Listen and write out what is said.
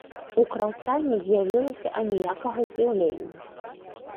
У краўца не з'явілася аніякага здзіўлення.